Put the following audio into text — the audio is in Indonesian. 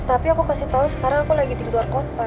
tapi aku kasih tau sekarang aku lagi di luar kota